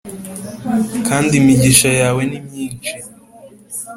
kandi imigisha yawe ni myinshi.